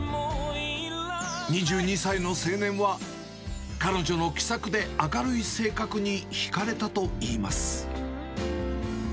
２２歳の青年は、彼女の気さくで明るい性格に引かれたといいます。